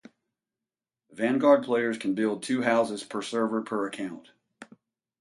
"Vanguard" players can build two houses per server per account.